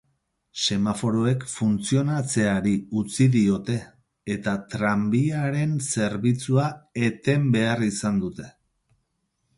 Semaforoek funtzionatzeari utzi diote eta tranbiaren zerbitzua eten behar izan dute.